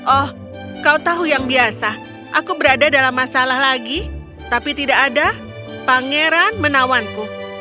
oh kau tahu yang biasa aku berada dalam masalah lagi tapi tidak ada pangeran menawanku